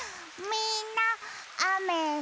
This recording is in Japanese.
みんなあめすき？